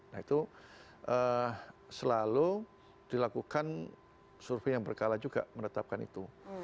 nah itu selalu dilakukan survei yang berkala juga menetapkan itu